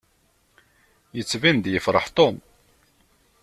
Yettbin-d yefṛeḥ Tom.